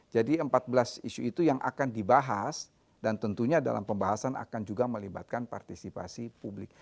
jadi empat belas isu itu yang akan dibahas dan tentunya dalam pembahasan akan juga melibatkan partisipasi publik